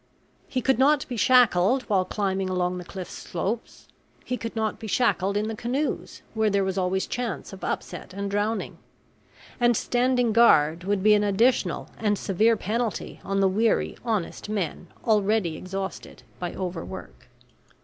He could not be shackled while climbing along the cliff slopes; he could not be shackled in the canoes, where there was always chance of upset and drowning; and standing guard would be an additional and severe penalty on the weary, honest men already exhausted by overwork.